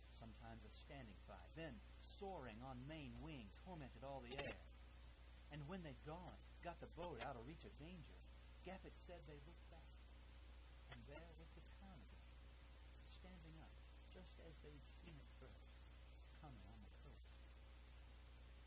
Sometimes a standing fight, then soaring on main wing tormented all the air. And when they'd got the boat out o' reach o' danger, Gaffett said they looked back, and there was the town again, standing up just as they'd seen it first, comin' on the coast.